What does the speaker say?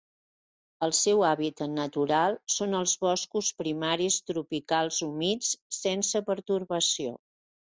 El seu hàbitat natural són els boscos primaris tropicals humits sense pertorbació.